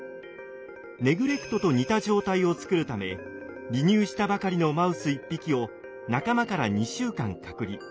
ネグレクトと似た状態を作るため離乳したばかりのマウス１匹を仲間から２週間隔離。